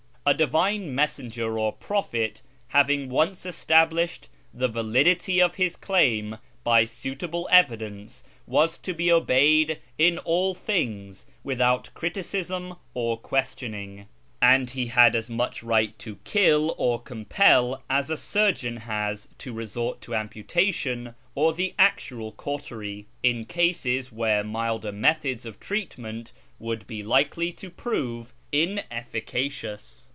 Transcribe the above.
A divine messenger or prophet, having once established the validity of his claim by suitable evidence, was to be obeyed in all things without criticism or questioning ; and he had as much right to kill or compel, as a surgeon has to resort to amputation or the actual cautery, in cases where milder methods of treatment would be likely to prove ineffi cacious.